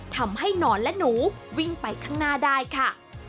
นอนและหนูวิ่งไปข้างหน้าได้ค่ะ